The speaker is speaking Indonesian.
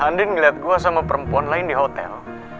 andien ngeliat gue sama perempuan lain di hotel